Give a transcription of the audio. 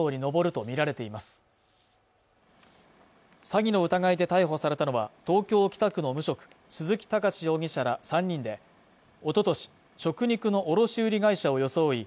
詐欺の疑いで逮捕されたのは東京北区の無職鈴木崇史容疑者ら３人でおととし食肉の卸売会社を装い